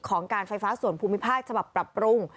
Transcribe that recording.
การไฟฟ้าส่วนภูมิภาคฉบับปรับปรุง